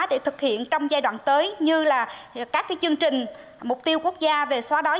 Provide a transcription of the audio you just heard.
để thực hiện trong giai đoạn tới như là các chương trình mục tiêu quốc gia về xóa đói